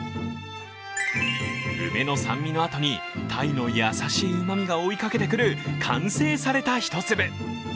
梅の酸味のあとに鯛の優しいうまみが追いかけてくる完成された一粒。